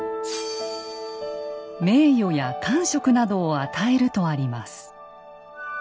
名誉や官職などを与えるとあります。